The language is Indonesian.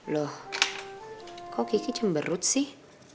loh kok kiki cemberut sih